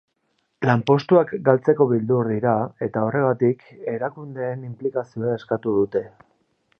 Lanpostuak galtzeko beldur dira eta horregatik, erakundeen inplikazioa eskatu dute.